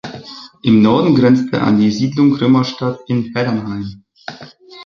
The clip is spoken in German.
Im Norden grenzt er an die Siedlung Römerstadt in Heddernheim.